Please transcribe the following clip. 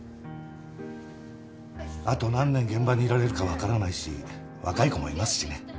あと何年現場にいられるか分からないし若い子もいますしね。